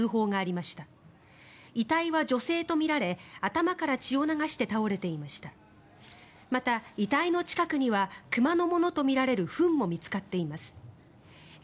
また、遺体の近くには熊のものとみられるフンも見つかっています。